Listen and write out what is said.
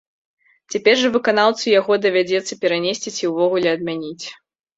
Цяпер жа выканаўцу яго давядзецца перанесці ці ўвогуле адмяніць.